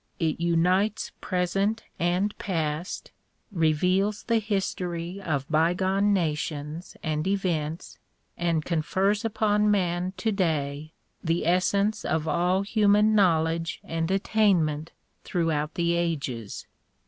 It unites present and past, reveals the history of bygone nations and events, and confers upon man today the essence of all human knowledge and attainment throughout the ages.